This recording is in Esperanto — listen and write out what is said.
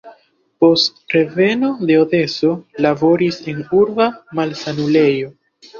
Post reveno de Odeso laboris en urba malsanulejo.